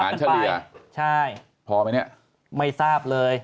พอไหมเนี่ยไม่ทราบเลย